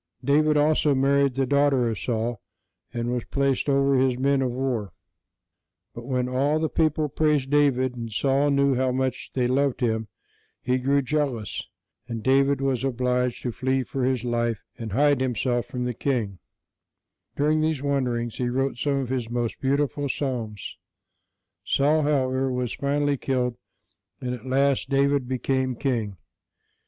David also married the daughter of Saul, and was placed over his men of war. [Illustration: THE DEATH OF SAUL.] [Illustration: THE DEATH OF AHAB.] But when all the people praised David, and Saul knew how much they loved him, he grew jealous, and David was obliged to fly for his life and hide himself from the king. During these wanderings, he wrote some of his most beautiful psalms. Saul, however, was finally killed, and at last David became king.